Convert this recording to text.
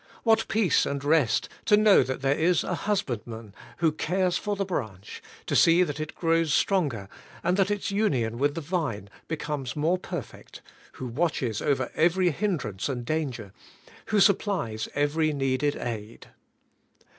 What peace and rest, to know that there is a Husbandman who cares for the branch, to see that it grows stronger, and that its union with the Vine becomes more perfect, who watches over every hindrance and danger, who sup GOD HIMSELF WILL STABLISH YOU IN HIM. 95 plies every needed aid